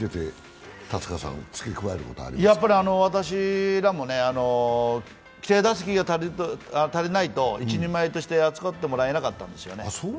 私らも規定打席が足りないと一人前として扱ってもらえなかったんですよね。